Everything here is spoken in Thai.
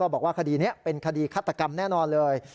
บอกว่าคดีนี้เป็นคดีฆาตกรรมแน่นอนเลย